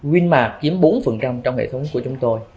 winmark chiếm bốn trong hệ thống của chúng tôi